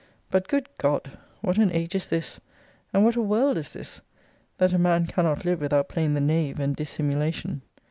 But, good God! what an age is this, and what a world is this! that a man cannot live without playing the knave and dissimulation.